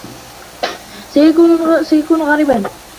سيكون غريبًا.